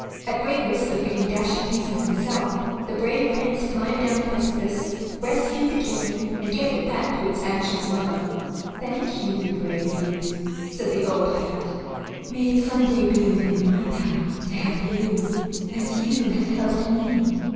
At great risk of being dashed to pieces himself, the brave Prince climbed down the precipice, rescued the kitten, and gave it back to its anxious mother. "Thank you, brave youth," said the old cat. "May it some day be within my power to help you as you have helped me."